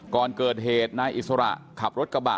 ก่อนเกิดเหตุนายอิสระขับรถกระบะ